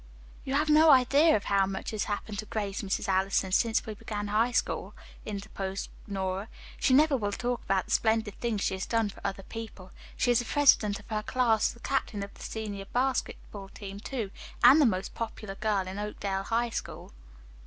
"You have no idea of how much has happened to Grace, Mrs. Allison, since we began High School," interposed Nora. "She never will talk about the splendid things she has done for other people. She is the president of her class, the captain of the senior basketball team, too, and the most popular girl in Oakdale High School."